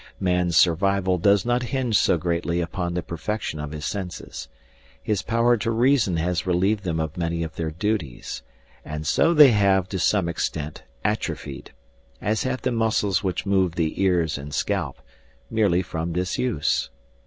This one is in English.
Man's survival does not hinge so greatly upon the perfection of his senses. His power to reason has relieved them of many of their duties, and so they have, to some extent, atrophied, as have the muscles which move the ears and scalp, merely from disuse.